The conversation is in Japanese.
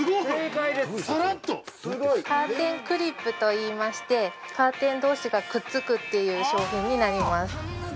◆カーテンクリップといいましてカーテン同士がくっつくという商品になります。